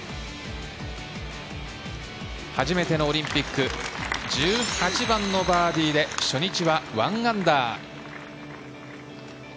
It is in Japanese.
初めてのオリンピック１８番のバーディーで初日は１アンダー。